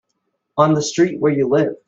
On the street where you live.